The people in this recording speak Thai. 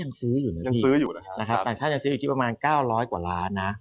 ยังซื้ออยู่นะยังซื้ออยู่นะครับต่างชาติยังซื้ออยู่ที่ประมาณ๙๐๐กว่าล้านนะ